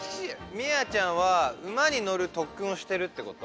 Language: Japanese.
みあちゃんはうまにのるとっくんをしてるってこと？